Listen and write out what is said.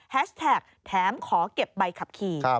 แท็กแถมขอเก็บใบขับขี่